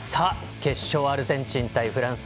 決勝、アルゼンチン対フランス。